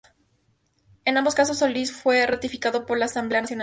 En ambos casos Solís fue ratificado por la Asamblea Nacional.